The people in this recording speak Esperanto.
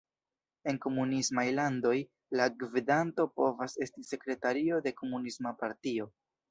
En komunismaj landoj, la gvidanto povas esti "sekretario de komunisma partio".